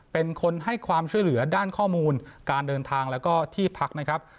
เป็นคนให้ความช่วยเหลือด้านข้อมูลการเดินทางแล้วก็ที่พักนะครับ